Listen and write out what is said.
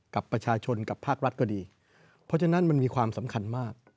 กับประชาชนกับภาครัฐก็ดีเพราะฉะนั้นมันมีความสำคัญมาก